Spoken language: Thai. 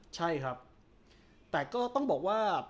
ใช่ครับแต่ก็ต้องบอกว่า